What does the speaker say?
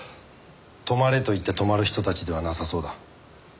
止まれと言って止まる人たちではなさそうだ。